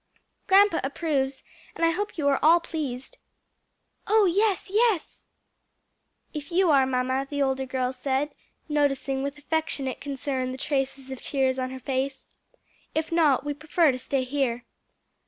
Grandpa approves, and I hope you are all pleased." "Oh yes, yes!" "If you are, mamma," the older girls said, noticing with affectionate concern the traces of tears on her face; "if not, we prefer to stay here."